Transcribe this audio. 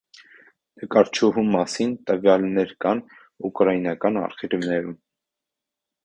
Նկարչուհու մասին տվյալներ կան ուկրաինական արխիվներում։